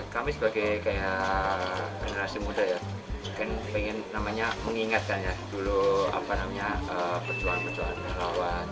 kami sebagai generasi muda ingin mengingatkan dulu perjuangan perjuangan lawan